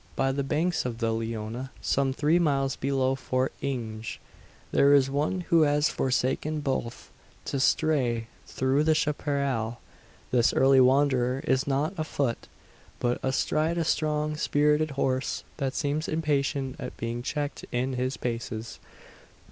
By the banks of the Leona, some three miles below Fort Inge, there is one who has forsaken both, to stray through the chapparal. This early wanderer is not afoot, but astride a strong, spirited horse, that seems impatient at being checked in his paces.